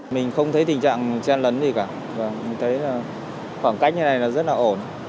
mình không thấy tình trạng chen lấn gì cả khoảng cách như này rất là ổn